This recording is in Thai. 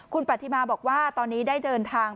คุณปฏิมาบอกว่าตอนนี้ได้เดินทาง